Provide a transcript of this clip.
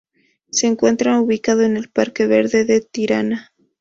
Se encuentra ubicado en el Parque Verde de Tirana.